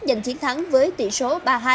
giành chiến thắng với tỷ số ba hai